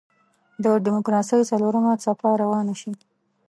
د دیموکراسۍ څلورمه څپه روانه شي.